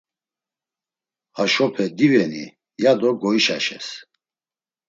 haşope diveni? ya do goişaşes.